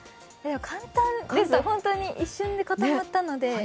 簡単です、本当に一瞬で固まったので。